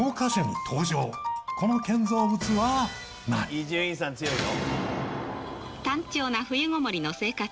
伊集院さん強いよ。